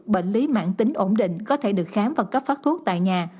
bệnh lý mạng tính ổn định có thể được khám và cấp phát thuốc tại nhà